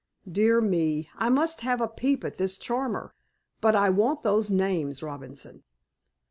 "Dear me! I must have a peep at this charmer. But I want those names, Robinson."